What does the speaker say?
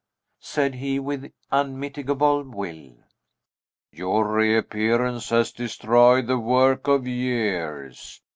said he, with unmitigable will; "your reappearance has destroyed the work of years.